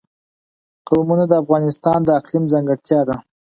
قومونه د افغانستان د اقلیم ځانګړتیا ده.